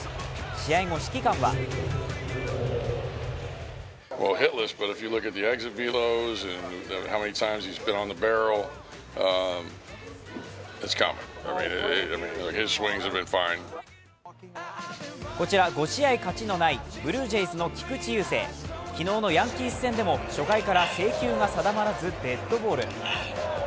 試合後、指揮官はこちら５試合価値のないブルージェイズの菊池雄星、昨日のヤンキース戦でも初回から制球が定まらずデッドボール。